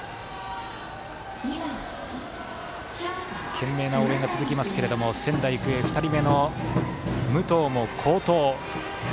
懸命な応援が続きますけれども仙台育英、２人目の武藤も好投。